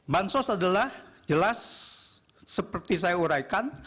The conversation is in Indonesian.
bansos adalah jelas seperti saya uraikan